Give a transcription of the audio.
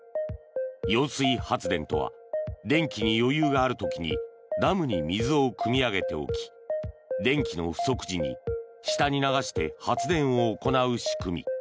揚水発電とは電気に余裕がある時にダムに水をくみ上げておき電気の不足時に下に流して発電を行う仕組み。